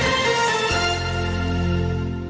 โปรดติดตามตอนต่อไป